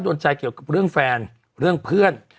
โดนใจเกี่ยวกับเรื่องแฟนเรื่องเพื่อน